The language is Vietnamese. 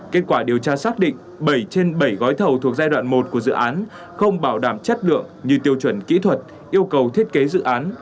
kết quả điều tra xác định bảy trên bảy gói thầu thuộc giai đoạn một của dự án không bảo đảm chất lượng như tiêu chuẩn kỹ thuật yêu cầu thiết kế dự án